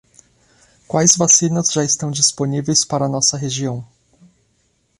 Quais vacinas já estão disponíveis para a nossa região?